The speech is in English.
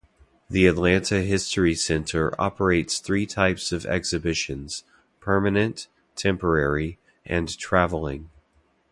The Atlanta History Center operates three types of exhibitions - permanent, temporary, and traveling.